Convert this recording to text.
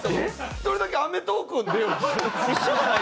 １人だけ『アメトーーク』に出ようとしてない？